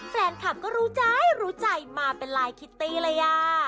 แฟนคลับก็รู้ใจรู้ใจมาเป็นลายคิตตี้เลยอ่ะ